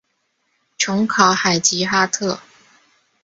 琼考海吉哈特。